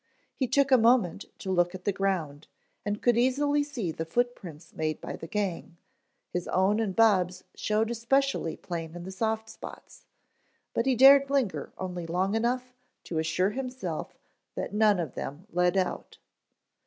He took a moment to look at the ground and could easily see the foot prints made by the gang; his own and Bob's showed especially plain in the soft spots, but he dared linger only long enough to assure himself that none of them led out.